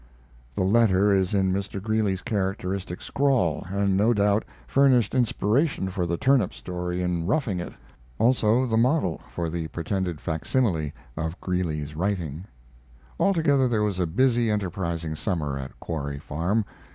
The letter is in Mr. Greeley's characteristic scrawl, and no doubt furnished inspiration for the turnip story in 'Roughing It', also the model for the pretended facsimile of Greeley's writing. Altogether that was a busy, enterprising summer at Quarry Farm.